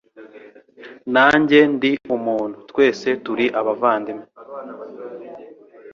Nanjye ndi umuntu, twese turi abavandimwe.